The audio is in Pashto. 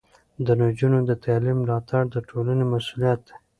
د نجونو د تعلیم ملاتړ د ټولنې مسؤلیت دی.